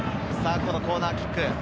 コーナーキック。